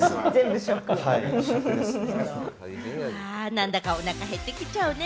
なんだか、おなか減ってきちゃうね。